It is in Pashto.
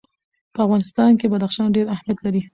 په افغانستان کې بدخشان ډېر اهمیت لري.